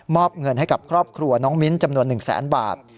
อบเงินให้กับครอบครัวน้องมิ้นจำนวน๑แสนบาท